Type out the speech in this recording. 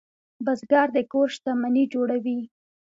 بزګر د کور شتمني جوړوي